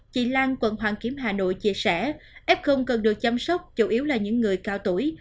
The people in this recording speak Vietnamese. chị lan quận hoàn kiếm hà nội chia sẻ f cần được chăm sóc chủ yếu là những người cao tuổi